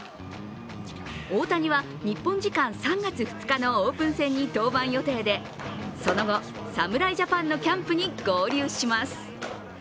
大谷は日本時間３月２日のオープン戦に登板予定でその後、侍ジャパンのキャンプに合流します。